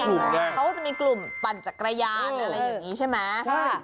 เขาก็จะมีกลุ่มปั่นจักรยานอะไรอย่างนี้ใช่ไหม